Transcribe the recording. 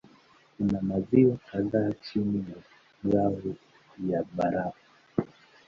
Kuna maziwa kadhaa chini ya ngao ya barafu.